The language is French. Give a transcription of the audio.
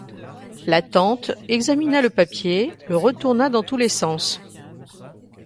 La tante examina le papier, le retourna dans tous les sens.